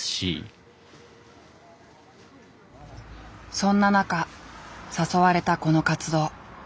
そんな中誘われたこの活動。